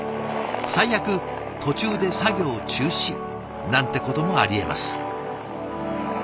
最悪途中で作業中止なんてこともありえます。